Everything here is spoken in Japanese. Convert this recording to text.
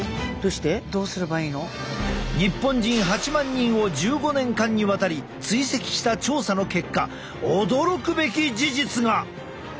日本人８万人を１５年間にわたり追跡した調査の結果驚くべき事実が！